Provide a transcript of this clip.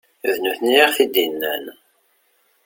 D nutni i aɣ-t-id-innan.